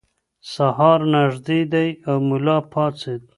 سهار نږدې دی او ملا پاڅېد.